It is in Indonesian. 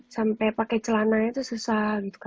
sampe pake celananya tuh susah gitu kan